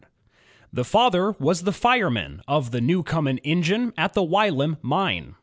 The father was the fireman of the Newcomen engine at the Wylam mine.